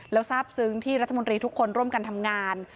แล้วทราบซึ้งที่รัฐมนตรีทุกคนร่วมกันทำงาน